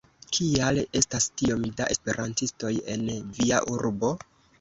Kial estas tiom da Esperantistoj en via urbo?